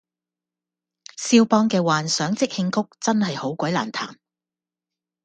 蕭邦嘅幻想即興曲真係好鬼難彈